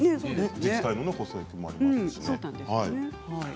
自治体の補助もありますしね。